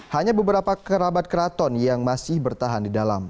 hanya beberapa kerabat keraton yang masih bertahan di dalam